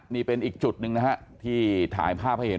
นี่เป็นอีกจุดหนึ่งนะฮะที่ถ่ายภาพให้เห็น